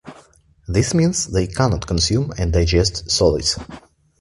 This means they cannot consume and digest solids.